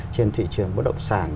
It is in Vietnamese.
trên thị trường bất động sản